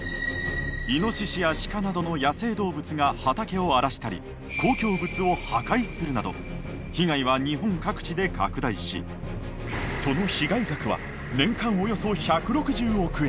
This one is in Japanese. イノシシやシカなどの野生動物が畑を荒らしたり公共物を破壊するなど被害は日本各地で拡大しその被害額は年間およそ１６０億円。